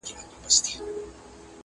تر اټکه د هلیمند څپې رسیږي!!